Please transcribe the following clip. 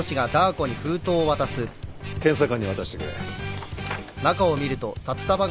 検査官に渡してくれ。